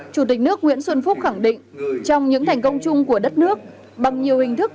chủ tịch nước nguyễn xuân phúc khẳng định trong những thành công chung của đất nước bằng nhiều hình thức